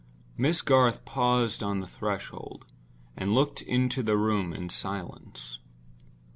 Miss Garth paused on the threshold, and looked into the room in silence.